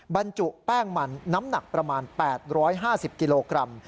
บรรจุแป้งมันน้ำหนักประมาณ๘๕๐กิโลกรัม